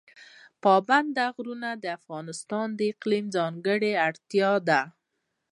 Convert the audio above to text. پابندی غرونه د افغانستان د اقلیم ځانګړتیا ده.